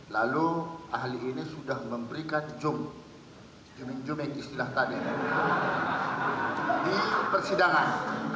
lalu ahli ini sudah memberikan zoom zooming zoom yang istilah tadi di persidangan